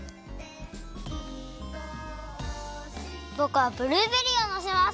ぼくはブルーベリーをのせます！